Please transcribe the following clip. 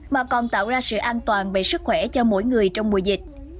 mà còn tạo ra sự an toàn về sức khỏe cho mỗi người trong mùa dịch